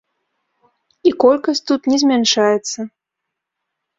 І колькасць тут не змяншаецца.